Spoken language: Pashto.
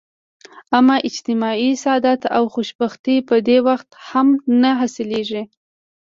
اما اجتماعي سعادت او خوشبختي په دې وخت هم نه حلاصیږي.